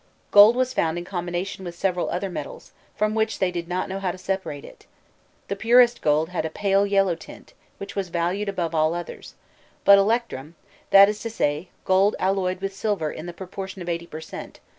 Gold was found in combination with several other metals, from which they did not know how to separate it: the purest gold had a pale yellow tint, which was valued above all others, but electrum, that is to say, gold alloyed with silver in the proportion of eighty per cent.